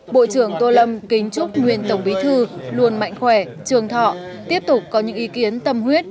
bộ trưởng tô lâm kính chúc nguyên tổng bí thư luôn mạnh khỏe trường thọ tiếp tục có những ý kiến tâm huyết